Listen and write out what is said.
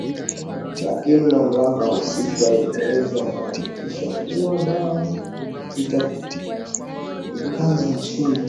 lakini mamlaka husika imeweza kuhakikisha kuwa dawa zitumikazo nchini humo